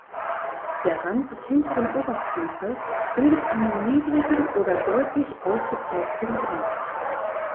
Der Rand des hinteren Oberkiefers bildet einen niedrigen oder deutlich ausgeprägten Grat.